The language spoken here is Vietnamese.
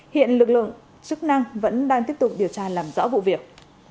hiện lực lượng chức năng vẫn đang tiếp tục điều tra làm rõ vụ việc